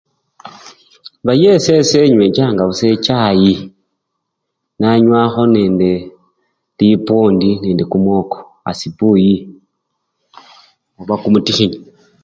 Baye esese enywechanga busa echayi nanywakho nende libwondi nende kimwoko asibuyi oba kimutikhinyi